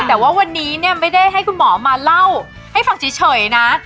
แต่ว่าวันนี้เนี่ยไม่ได้ให้คุณหมอมาเล่าให้ฟังเฉยนะ